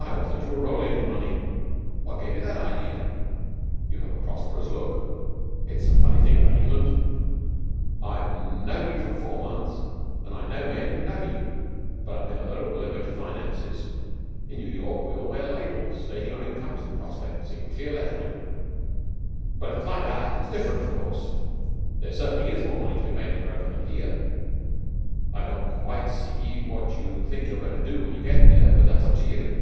I always thought you were rolling in money.' 'What gave you that idea?' 'You have a prosperous look. It's a funny thing about England. I've known you four months, and I know men who know you; but I've never heard a word about your finances. In New York we all wear labels, stating our incomes and prospects in clear lettering. Well, if it's like that it's different, of course. There certainly is more money to be made in America than here. I don't quite see what you think you're going to do when you get there, but that's up to you.